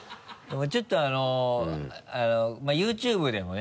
ちょっとあのＹｏｕＴｕｂｅでもね